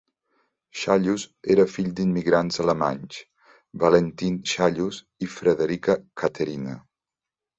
Shallus era fill d'immigrants alemanys, Valentine Schallus i Frederica Catherina.